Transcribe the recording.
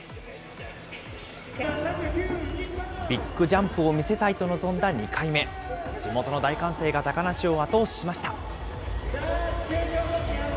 ビッグジャンプを見せたいと臨んだ２回目、地元の大歓声が高梨を後押ししました。